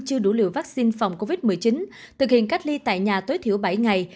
chưa đủ liều vaccine phòng covid một mươi chín thực hiện cách ly tại nhà tối thiểu bảy ngày